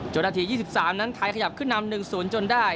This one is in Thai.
นาที๒๓นั้นไทยขยับขึ้นนำ๑๐จนได้